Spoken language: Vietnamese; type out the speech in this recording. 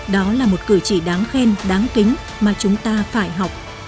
đó là một cử chỉ đáng khen đáng kính mà chúng ta phải học